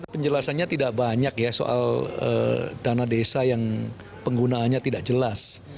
penjelasannya tidak banyak ya soal dana desa yang penggunaannya tidak jelas